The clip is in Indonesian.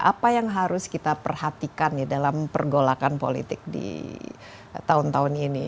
apa yang harus kita perhatikan ya dalam pergolakan politik di tahun tahun ini